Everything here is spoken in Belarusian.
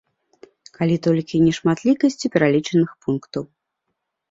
Калі толькі нешматлікасцю пералічаных пунктаў.